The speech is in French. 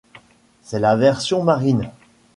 C'est la version marine.